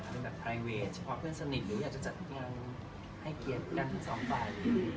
จัดงานไพรเวย์หรือยักจะจัดไฟเพื่อนสนิทหรือให้เกียรติการตั้งแล้ว